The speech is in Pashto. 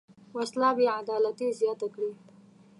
وسله بېعدالتي زیاته کړې